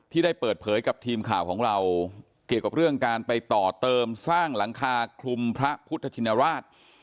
ได้เปิดเผยกับทีมข่าวของเราเกี่ยวกับเรื่องการไปต่อเติมสร้างหลังคาคลุมพระพุทธชินราช